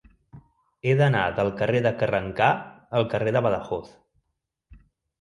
He d'anar del carrer de Carrencà al carrer de Badajoz.